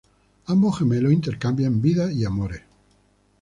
Ambos gemelos intercambian vidas y amores.